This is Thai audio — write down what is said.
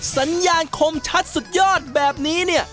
สัญญาณคมชัดสุดยอดแบบนี้เนี่ย